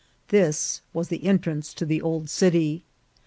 This was the entrance to the old city.